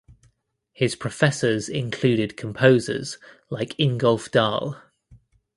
His professors included composers like Ingolf Dahl.